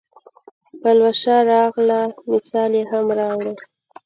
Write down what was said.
د پلوشه راغلل مثال یې هم راووړ.